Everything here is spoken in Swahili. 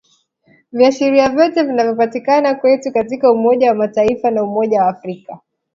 Viashiria vyote vinavyopatikana kwetu katika umoja wa Mataifa na umoja wa africa